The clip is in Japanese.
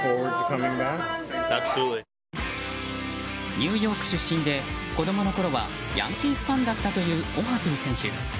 ニューヨーク出身で子供のころはヤンキースファンだったというオハピー選手。